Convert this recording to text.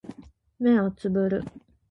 目をつぶる